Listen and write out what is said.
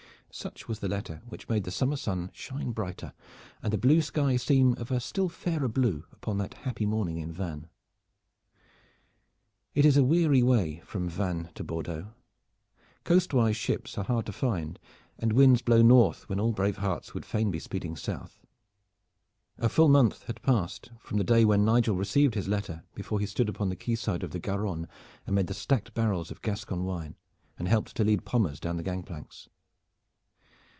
Such was the letter which made the summer sun shine brighter and the blue sky seem of a still fairer blue upon that happy morning in Vannes. It is a weary way from Vannes to Bordeaux. Coastwise ships are hard to find, and winds blow north when all brave hearts would fain be speeding south. A full month has passed from the day when Nigel received his letter before he stood upon the quay side of the Garonne amid the stacked barrels of Gascon wine and helped to lead Pommers down the gang planks.